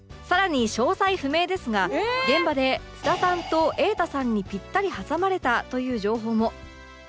更に詳細不明ですが現場で菅田さんと瑛太さんにぴったり挟まれたという情報も